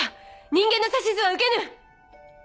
人間の指図は受けぬ！